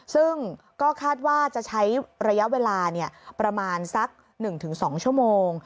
ซึ่งก็คาดว่าจะใช้ระยะเวลาประมาณสัก๑๒ชั่วโมง